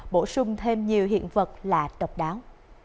bổ sung thêm nhiều hiện vật lạ độc đáo